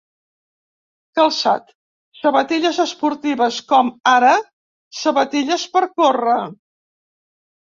Calçat: sabatilles esportives, com ara sabatilles per córrer.